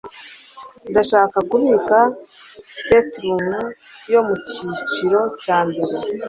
Ndashaka kubika stateroom yo mucyiciro cya mbere.